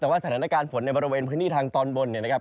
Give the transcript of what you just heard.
แต่ว่าสถานการณ์ฝนในบริเวณพื้นที่ทางตอนบนเนี่ยนะครับ